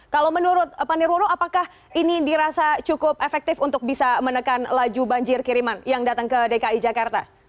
kalau menurut pak nirwono apakah ini dirasa cukup efektif untuk bisa menekan laju banjir kiriman yang datang ke dki jakarta